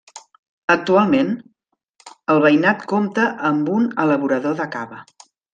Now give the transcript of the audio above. Actualment, el veïnat compta amb un elaborador de cava.